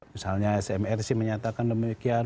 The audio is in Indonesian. misalnya smrc menyatakan demikian